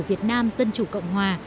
việt nam dân chủ cộng hòa